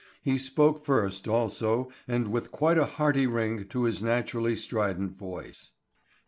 He spoke first also and with quite a hearty ring to his naturally strident voice.